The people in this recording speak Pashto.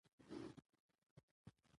په خورا دقت سره يې تاريخ